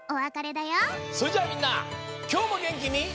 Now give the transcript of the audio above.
それじゃあみんなきょうもげんきに。